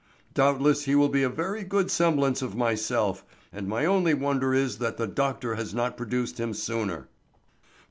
Doubtless he will be a very good semblance of myself, and my only wonder is that the doctor has not produced him sooner."